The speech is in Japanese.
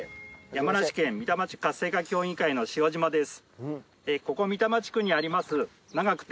山梨県三珠地区活性化協議会の塩島です。